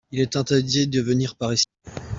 il est interdit de venir par ici.